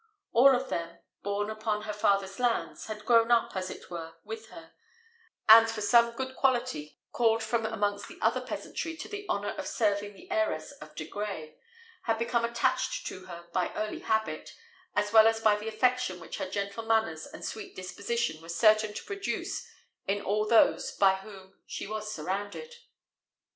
All of them, born upon her father's lands, had grown up as it were with her; and for some good quality, called from amongst the other peasantry to the honour of serving the heiress of De Grey, had become attached to her by early habit, as well as by the affection which her gentle manners and sweet disposition were certain to produce in all those by whom she was surrounded.